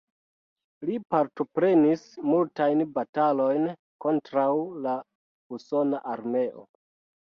Li partoprenis multajn batalojn kontraŭ la usona armeo.